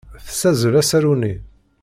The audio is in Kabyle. Tessazzel asaru-nni.